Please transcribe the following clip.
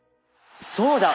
そうだ！